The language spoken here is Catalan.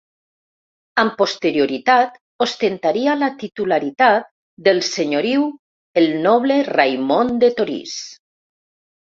Amb posterioritat, ostentaria la titularitat del senyoriu el noble Raimon de Torís.